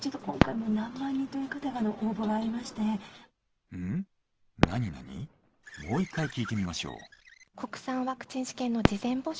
もう１回聞いてみましょう。